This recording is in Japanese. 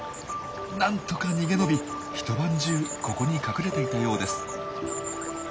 なんとか逃げ延び一晩中ここに隠れていたようです。